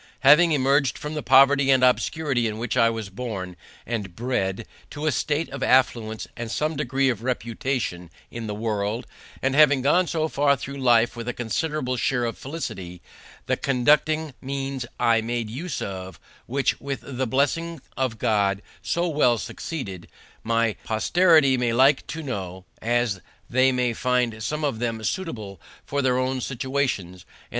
Having emerged from the poverty and obscurity in which I was born and bred, to a state of affluence and some degree of reputation in the world, and having gone so far through life with a considerable share of felicity, the conducing means I made use of, which with the blessing of God so well succeeded, my posterity may like to know, as they may find some of them suitable to their own situations, and therefore fit to be imitated.